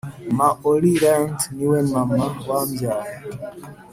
maoriland, niwe mama wambyaye!